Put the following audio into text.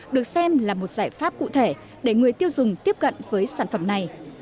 được xem là một giải pháp cụ thể để người tiêu dùng tiếp cận với sản phẩm này